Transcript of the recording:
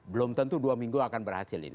belum tentu dua minggu akan berhasil ini